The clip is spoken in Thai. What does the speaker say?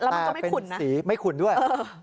แล้วมันก็ไม่ขุนนะไม่ขุนด้วยเออ